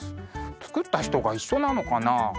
つくった人が一緒なのかなあ？